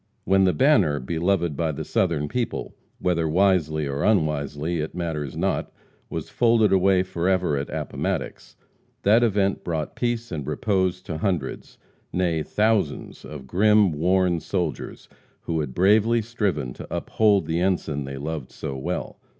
When the banner, beloved by the Southern people, whether wisely or unwisely, it matters not, was folded away forever at Appomattox, that event brought peace and repose to hundreds, nay, thousands of grim, worn soldiers who had bravely striven to uphold the ensign they loved so well.